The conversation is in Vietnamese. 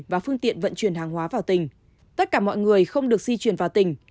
và phương tiện vận chuyển hàng hóa vào tỉnh tất cả mọi người không được di chuyển vào tỉnh